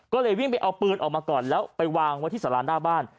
ก็เลยวิ่งไปเอาปืนออกมาก่อนแล้วไปวางไว้ที่สาราหน้าบ้าน